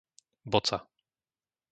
Boca